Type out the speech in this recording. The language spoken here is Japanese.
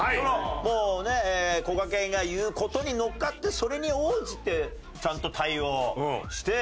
もうねこがけんが言う事にのっかってそれに応じてちゃんと対応して。